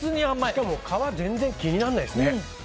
しかも皮全然気にならないですね。